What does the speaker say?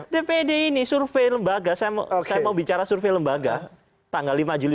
dpd ini survei lembaga saya mau bicara survei lembaga tanggal lima juli dua ribu delapan belas